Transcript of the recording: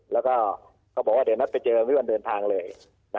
แล้วก็เขาบอกว่าเดี๋ยวนัดไปเจอไม่วันเดินทางเลย